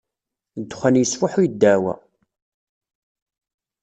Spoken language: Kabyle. Ddexxan yesfuḥuy ddeɛwa.